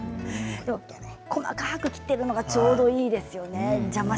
細かく切っているのがちょうどいいですね。